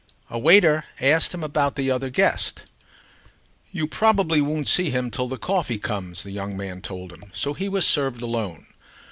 A waiter asked him about the other guest. "You probably won't see him till the coffee comes," the young man told him; so he was served alone.